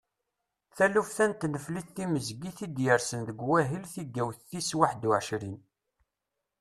Taluft-a n tneflit timezgit i d-yersen deg wahil tigawt tis waḥedd u ɛecrin.